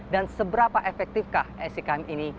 dan seberapa efektifkah sikm ini